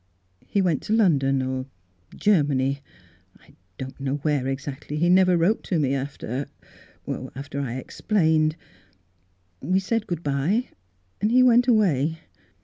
He went to London, or Ger many — I don't know where exactly. He never wrote to me after — after I ex plained — We said good bye, and he went away."